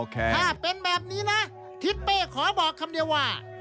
ถ้าเป็นแบบนี้นะทิศเป้ขอบอกคำเดียวว่า